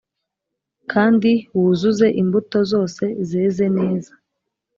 kandi wuzuze imbuto zose zeze neza;